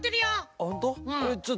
ほんと？